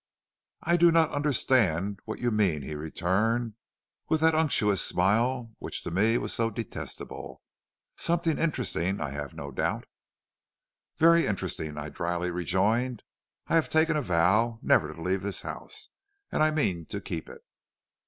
"'I do not understand what you mean,' he returned, with that unctuous smile which to me was so detestable. 'Something interesting, I have no doubt.' "'Very interesting,' I dryly rejoined. 'I have taken a vow never to leave this house, and I mean to keep it.'